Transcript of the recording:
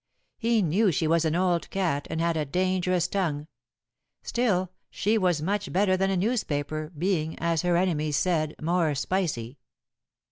He knew she was an old cat, and had a dangerous tongue. Still, she was much better than a newspaper, being, as her enemies said, more spicy.